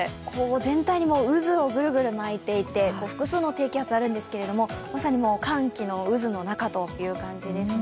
全体に渦をぐるぐる巻いていて、複数の低気圧あるんですがまさに寒気の渦の中という感じですね。